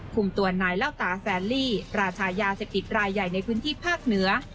ตัวนายเล่าตาแซนลี่ราชายาเสพติดรายใหญ่ในพื้นที่ภาคเหนือ